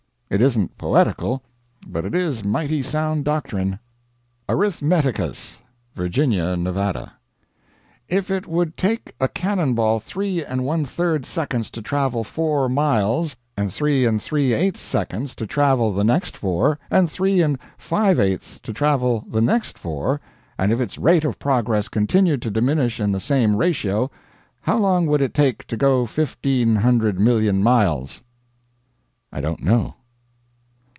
It isn't poetical, but it is mighty sound doctrine. "ARITHMETICUS." Virginia, Nevada. "If it would take a cannon ball 3 and 1/3 seconds to travel four miles, and 3 and 3/8 seconds to travel the next four, and 3 and 5/8 to travel the next four, and if its rate of progress continued to diminish in the same ratio, how long would it take it to go fifteen hundred million miles?" I don't know.